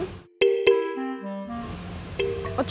apa yang terjadi